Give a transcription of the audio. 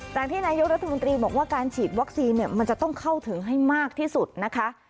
จากที่นายกรัฐมนตรีบอกว่าการฉีดวัคซีนเนี่ยมันจะต้องเข้าถึงให้มากที่สุดนะคะ